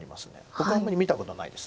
僕はあんまり見たことないです